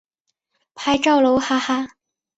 拍照喽哈哈